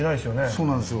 そうなんですよ。